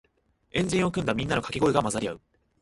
円陣を組んだみんなのかけ声が混ざり合う